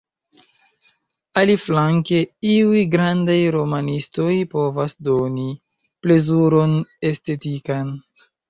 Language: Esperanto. Aliflanke, iuj grandaj romanistoj provas doni plezuron estetikan.